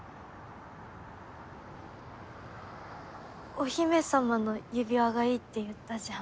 お姫様の指輪がいいって言ったじゃん。